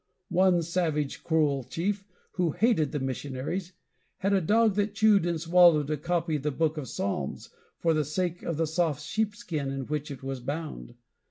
One savage, cruel chief, who hated the missionaries, had a dog that chewed and swallowed a copy of the book of Psalms for the sake of the soft sheepskin in which it was bound.